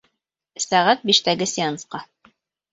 Сәғәт биштәге сеансҡа.